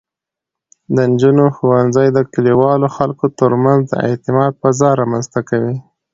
د نجونو ښوونځی د کلیوالو خلکو ترمنځ د اعتماد فضا رامینځته کوي.